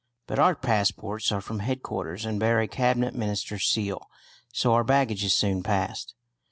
But our passports are from headquarters and bear a Cabinet Minister's seal, so our baggage is soon passed.